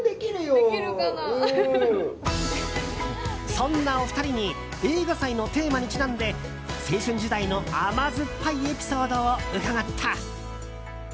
そんなお二人に映画祭のテーマにちなんで青春時代の甘酸っぱいエピソードを伺った。